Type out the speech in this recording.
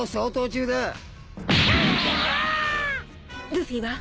ルフィは？